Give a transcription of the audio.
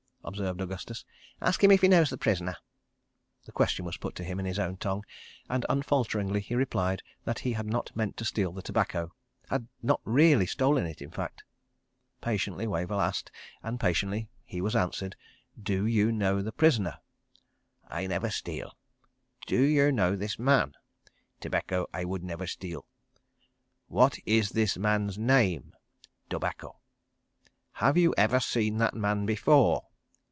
observed Augustus. "Ask him if he knows the prisoner." The question was put to him in his own tongue, and unfalteringly he replied that he had not meant to steal the tobacco—had not really stolen it, in fact. Patiently Wavell asked, and patiently he was answered. "Do you know the prisoner?" "I never steal." "Do you know this man?" "Tobacco I would never steal." "What is this man's name?" "Tobacco." "Have you ever seen that man before?"